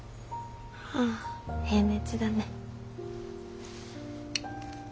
ああ平熱だね。